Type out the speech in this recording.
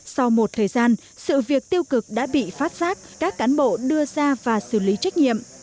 sau một thời gian sự việc tiêu cực đã bị phát giác các cán bộ đưa ra và xử lý trách nhiệm